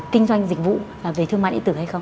kinh doanh dịch vụ về thương mại điện tử hay không